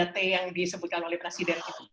tiga t yang disebutkan oleh presiden